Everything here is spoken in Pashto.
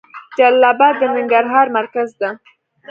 جلال اباد د ننګرهار مرکز ده.